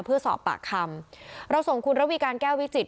เพื่อสอบปากคำเราส่งคุณระวีการแก้ววิจิต